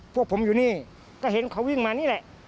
พวกผมอยู่นี่ก็เห็นเขาวิ่งมานี่แหละ